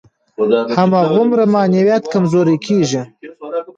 هماغومره معنویت کمزوری کېږي.